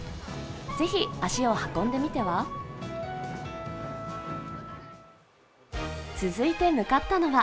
是非足を運んでみては？